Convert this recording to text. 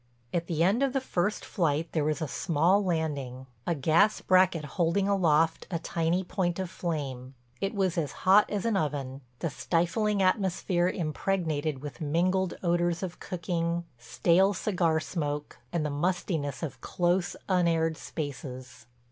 At the end of the first flight there was a small landing, a gas bracket holding aloft a tiny point of flame. It was as hot as an oven, the stifling atmosphere impregnated with mingled odors of cooking, stale cigar smoke, and the mustiness of close, unaired spaces.